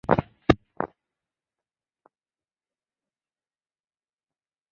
此哈瓦那红辣椒受美国植物品种保护法保护。